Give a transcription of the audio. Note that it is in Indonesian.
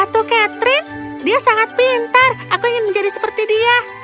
satu catherine dia sangat pintar aku ingin menjadi seperti dia